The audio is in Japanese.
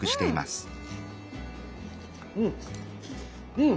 うん！